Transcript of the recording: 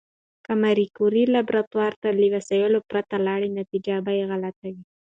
که ماري کوري لابراتوار ته له وسایلو پرته لاړه، نتیجه به غلطه وي.